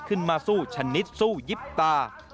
ขึ้นมาสู้ชนิดสู้ยิบตา